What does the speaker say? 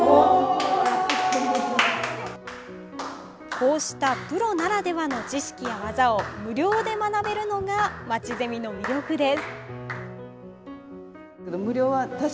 こうしたプロならではの知識や技を、無料で学べるのがまちゼミの魅力です。